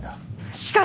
しかし。